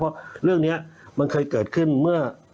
เพราะเรื่องนี้มันเคยเกิดขึ้นเมื่อ